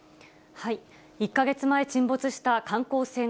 １か月前沈没した観光船